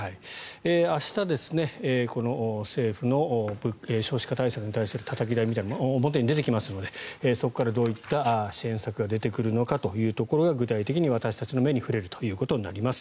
明日政府の少子化対策に対するたたき台みたいなものが表に出てきますのでそこからどういった支援策が出てくるのかというところが具体的に私たちの目に触れるということになります。